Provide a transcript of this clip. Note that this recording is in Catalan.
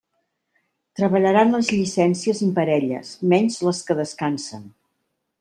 Treballaran les llicències imparelles, menys les que descansen.